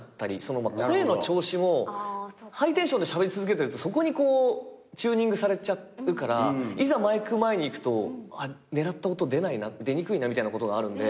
声の調子もハイテンションでしゃべり続けてるとそこにチューニングされちゃうからいざマイク前に行くと狙った音出にくいなみたいなことがあるんで。